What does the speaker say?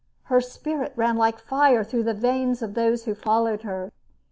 Her spirit ran like fire through the veins of those who followed her.